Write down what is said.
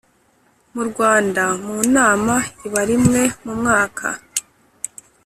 mu Rwanda mu nama iba rimwe mu mwaka